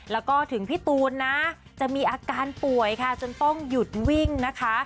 แล้วก็ถึงพี่ตูนนะจะมีอาการป่วยค่ะจนต้องหยุดวิ่งนะคะ